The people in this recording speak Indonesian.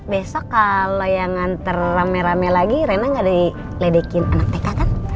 jadi besok kalo yang nganter rame rame lagi reina gak di ledekin anak tk kan